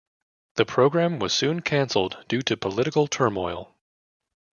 The program was soon cancelled due to political turmoil.